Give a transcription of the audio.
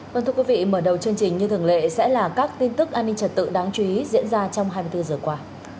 vâng thưa quý vị mở đầu chương trình như thường lệ sẽ là các tin tức an ninh trật tự đáng chú ý diễn ra trong hai mươi bốn giờ qua